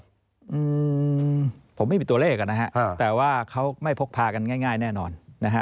อืมผมไม่มีตัวเลขอ่ะนะฮะแต่ว่าเขาไม่พกพากันง่ายง่ายแน่นอนนะฮะ